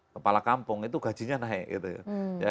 kepala kampung itu gajinya naik gitu ya